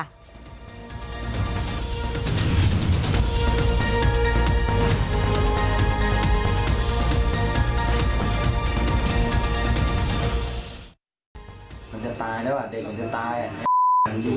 มันจะตายแล้วอ่ะเด็กมันจะตายอ่ะ